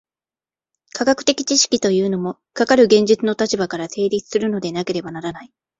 科学的知識というのも、かかる現実の立場から成立するのでなければならない。